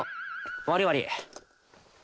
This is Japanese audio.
悪い悪い。